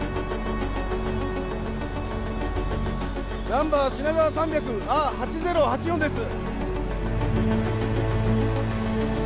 ナンバー「品川３００あ８０−８４」です。